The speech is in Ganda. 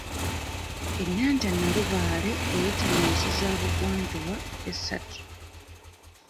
Ennyanja Nalubaale eyita mu nsi za bugwanjuba essatu.